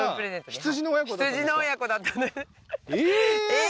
羊の親子だったええー！